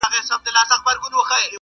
نعمتونه د پېغور او د مِنت یې وه راوړي،